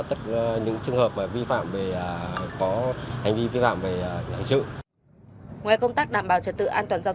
tất cả những trường hợp có hành vi vi phạm về lãi dự ngoài công tác đảm bảo trật tự an toàn giao